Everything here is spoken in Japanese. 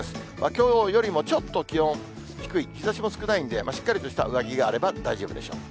きょうよりもちょっと気温低い、日ざしも少ないんで、しっかりとした上着があれば、大丈夫でしょう。